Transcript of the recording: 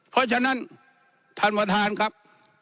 เพราะฉะนั้นท่านประธานครับ